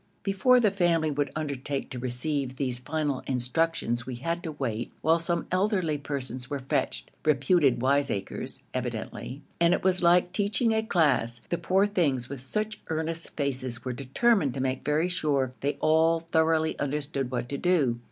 Before the family would undertake to receive these final instructions we had to wait while some elderly persons were fetched, reputed wiseacres evidently, and it was like teaching a class. The poor things, with such earnest faces, were determined to make very sure they all thoroughly understood what to do.